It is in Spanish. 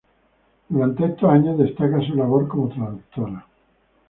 Durante estos años destaca su labor como traductora.